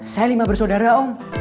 saya lima bersaudara om